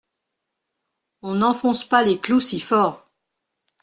On n’enfonce pas les clous si fort.